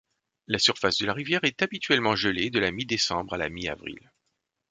La surface de la rivière est habituellement gelée de la mi-décembre à la mi-avril.